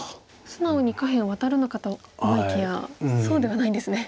素直に下辺をワタるのかと思いきやそうではないんですね。